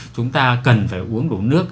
chúng ta cần phải uống đủ nước